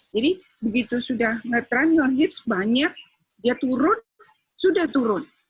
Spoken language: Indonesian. jadi begitu sudah nge transform hits banyak dia turun sudah turun